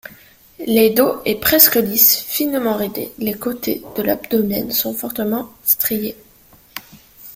Le dos est presque lisse, finement ridé, les côtés de l'abdomen sont fortement striés.